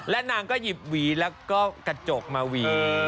นางก็หยิบหวีแล้วก็กระจกมาหวี